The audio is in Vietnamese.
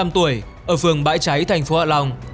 bốn mươi năm tuổi ở phường bãi cháy tp hạ long